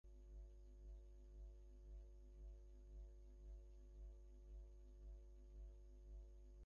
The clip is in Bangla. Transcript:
শান্তি পুরস্কারের জন্য মালালাকেই সবচে শক্তিশালী প্রতিদ্বন্দ্বী বলে ধরে নিয়েছিলেন বিশেষজ্ঞরা।